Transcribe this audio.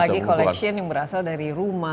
apalagi collection yang berasal dari rumah